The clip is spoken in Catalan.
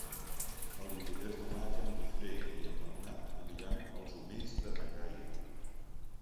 El vint-i-tres de maig en Guifré i en Bernat aniran als Omells de na Gaia.